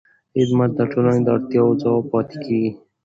خدمت د ټولنې د اړتیاوو ځواب پاتې کېږي.